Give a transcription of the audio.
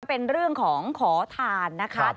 เป็นเรื่องของขอทานนะคะ